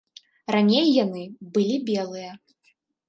Раней яны былі белыя.